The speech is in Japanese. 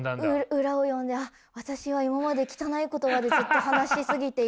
裏を読んであっ私は今まで汚い言葉でずっと話し過ぎていたなっていう。